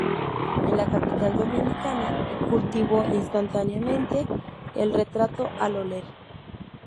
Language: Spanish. En la capital dominicana cultivó intensamente el retrato al óleo.